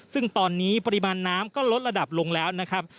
ซึ่งตอนนี้ปริมาณน้ำก็ลดระดับลงแล้วนะครับ